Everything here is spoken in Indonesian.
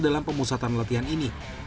dalam pemusatan latihan ini